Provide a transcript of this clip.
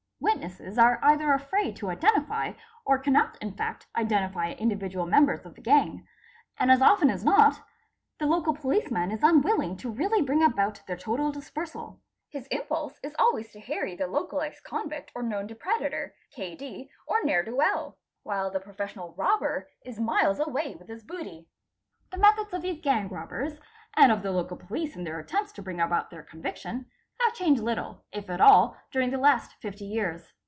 Witnesses are either afraid to identify or cannot in fact identify individual members of the gang, and as often as not the local policeman is unwilling to really bring about their total dispersal. His impulse is always to harry the local ex convict or known depredator (K. D.) or ne'er do well, while the professional robber is miles wway with his booty. }_ The methods of these gang robbers, and of the local police in their tempts to bring about their conviction, have changed little, if at all, uring the last 50 years.